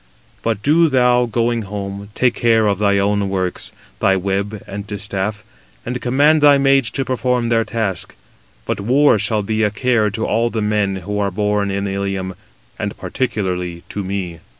But do thou, going home, take care of thy own works, thy web and distaff, and command thy maids to perform their task; but war shall be a care to all the men who are born in Ilium, and particularly to me."